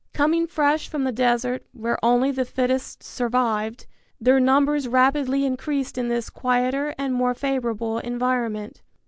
Coming fresh from the desert, where only the fittest survived, their numbers rapidly increased in this quieter and more favorable environment.